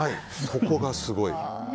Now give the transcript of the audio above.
そこがすごい。